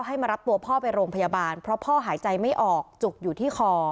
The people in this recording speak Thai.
มารับตัวพ่อไปโรงพยาบาลเพราะพ่อหายใจไม่ออกจุกอยู่ที่คอ